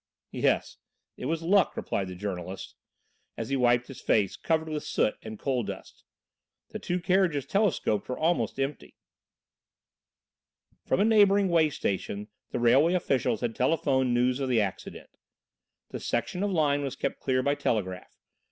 "Yes, it was luck," replied the journalist, as he wiped his face, covered with soot and coal dust. "The two carriages telescoped were almost empty." From a neighbouring way station the railway officials had telephoned news of the accident. The section of line was kept clear by telegraph.